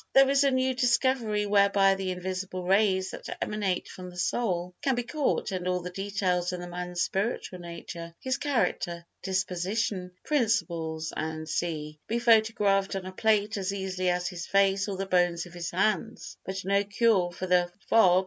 There is a new discovery whereby the invisible rays that emanate from the soul can be caught and all the details of a man's spiritual nature, his character, disposition, principles, &c. be photographed on a plate as easily as his face or the bones of his hands, but no cure for the f. o. g.